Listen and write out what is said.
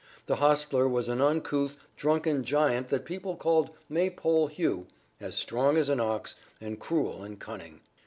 The hostler was an uncouth, drunken giant that people called Maypole Hugh, as strong as an ox, and cruel and cunning.